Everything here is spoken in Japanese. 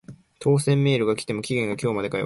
当選メール来ても期限が今日までかよ